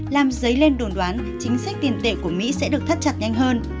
làm dấy lên đồn đoán chính sách tiền tệ của mỹ sẽ được thắt chặt nhanh hơn